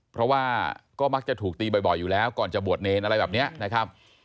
เพราะว่าก็มักจะถูกตีบ่อยอยู่แล้วก่อนจะบวชเนรอะไรแบบนี้นะครับ